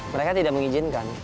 mereka tidak mengizinkan